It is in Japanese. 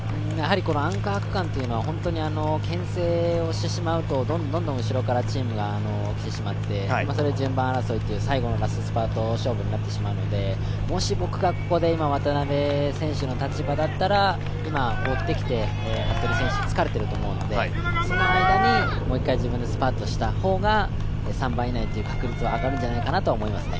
アンカー区間というのはけん制をしてしまうとどんどん後ろからチームが来てしまって、順番争いという最後のラストスパート争いになってしまうのでもし僕がここで今渡邉選手の立場だったら、追ってきて、服部選手、疲れていると思うのでその間にもう一回自分でスパートした方が、３番以内という確率は上がると思いますね。